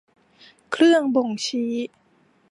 เครื่องบ่งชี้